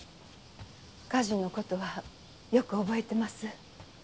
火事の事はよく覚えてます。